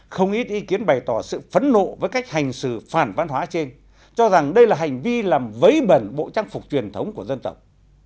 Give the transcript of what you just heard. không ít ý kiến bày tỏ sự phấn nộ với cách hành xử phản văn hóa trên cho rằng đây là hành vi làm vấy bẩn bộ trang phục truyền thống của dân tộc